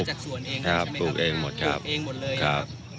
เอามาจากส่วนเองใช่ไหมครับปลุกเองหมดครับปลุกเองหมดเลยครับ